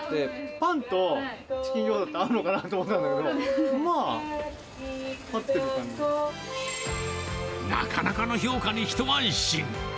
パンとチキン餃子って合うのかなと思ったんだけど、まあ、なかなかの評価に一安心。